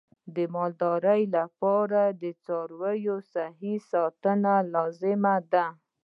د مالدارۍ لپاره د څارویو صحي ساتنه لازمي ده.